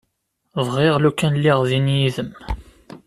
Bɣiɣ lukan lliɣ din yid-m.